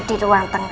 di ruang tengah